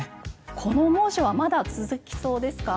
この猛暑はまだ続きそうですか？